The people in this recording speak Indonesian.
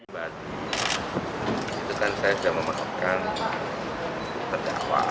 saya sudah memahamkan terdakwa